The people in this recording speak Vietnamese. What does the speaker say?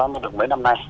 mới được mấy năm nay